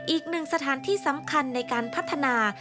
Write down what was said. อีกหนึ่งสถานที่สำคัญในการพัฒนา